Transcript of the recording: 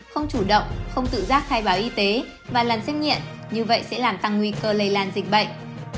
không chủ động không tự giác khai báo y tế và lần xét nghiệm như vậy sẽ làm tăng nguy cơ lây lan dịch bệnh